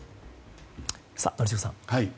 宜嗣さん。